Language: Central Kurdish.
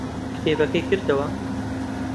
کتێبەکەی کردەوە.